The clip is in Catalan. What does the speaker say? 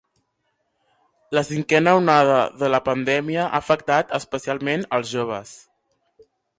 La cinquena onada de la pandèmia ha afectat especialment els joves.